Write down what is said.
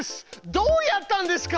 どうやったんですか？